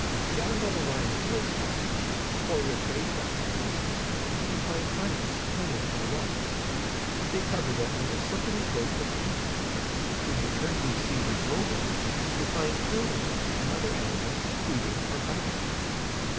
Down by the line of low tide, before you have waded up to your knees, you find plants clinging to the rocks. They cover them with a slippery coat of green; when you turn these Sea weeds over you find periwinkles and other animals feeding or hiding.